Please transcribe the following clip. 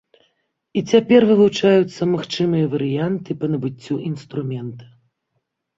І цяпер вывучаюцца магчымыя варыянты па набыццю інструмента.